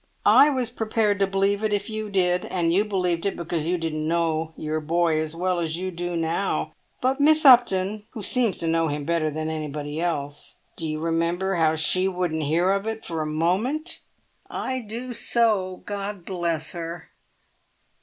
I was prepared to believe it if you did, and you believed it because you didn't know your boy as well as you do now. But Miss Upton, who seems to know him better than anybody else—do you remember how she wouldn't hear of it for a moment?" "I do so, God bless her!"